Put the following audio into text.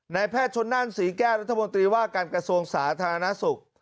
แพทย์ชนนั่นศรีแก้วรัฐมนตรีว่าการกระทรวงสาธารณสุข